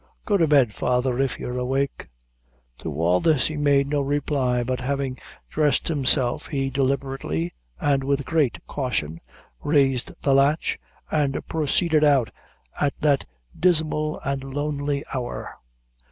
Go to bed, father, if you're awake." To all this he made no reply, but having dressed himself, he deliberately, and with great caution, raised the latch, and proceeded out at that dismal and lonely hour.